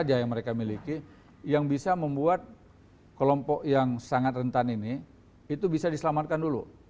apa saja yang mereka miliki yang bisa membuat kelompok yang sangat rentan ini itu bisa diselamatkan dulu